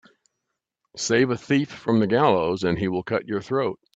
Save a thief from the gallows and he will cut your throat